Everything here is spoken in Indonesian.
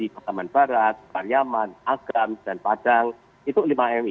taman barat pariyaman agam dan padang itu lima mmi